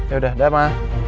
yaudah dah ma